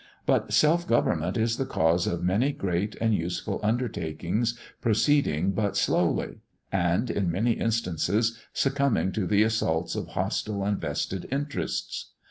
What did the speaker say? But self government is the cause of many great and useful undertakings proceeding but slowly; and, in many instances, succumbing to the assaults of hostile and vested interests.